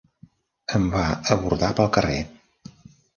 Em va abordar pel carrer.